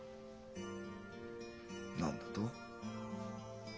何だと？